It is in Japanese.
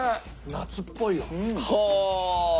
夏っぽい。